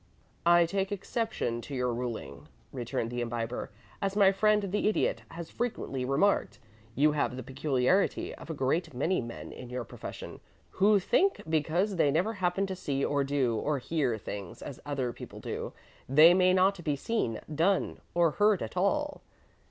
"I take exception to your ruling," returned the Imbiber. "As my friend the Idiot has frequently remarked, you have the peculiarity of a great many men in your profession, who think because they never happened to see or do or hear things as other people do, they may not be seen, done, or heard at all.